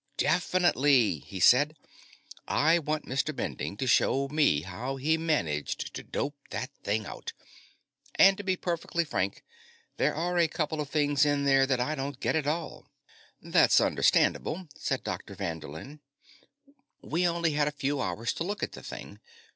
"Definitely," he said. "I want Mr. Bending to show me how he managed to dope that thing out. And, to be perfectly frank, there are a couple of things in there that I don't get at all." "That's understandable," said Dr. Vanderlin. "We only had a few hours to look at the thing.